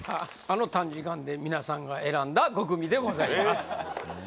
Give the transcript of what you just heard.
あの短時間で皆さんが選んだ５組でございます